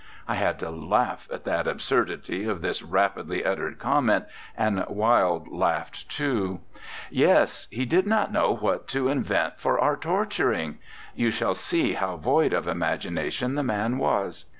I had to laugh at the absurdity of this rapidly uttered comment, and Wilde laughed too. " Yes, he did not know what to invent for our torturing. ... You shall see how void of imagination the man was.